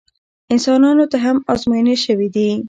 انسانانو ته هم ازموینې شوي دي.